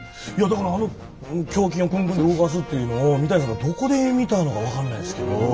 いやだから胸筋を動かすっていうのを三谷さんがどこで見たのか分かんないですけど。